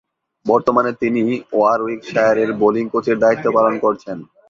বর্তমানে তিনি ওয়ারউইকশায়ারের বোলিং কোচের দায়িত্ব পালন করছেন।